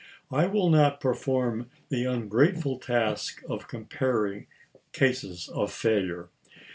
I will not perform the ungrateful task of comparing cases of failure.